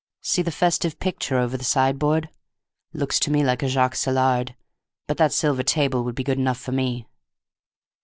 See the festive picture over the sideboard? Looks to me like a Jacques Saillard. But that silver table would be good enough for me."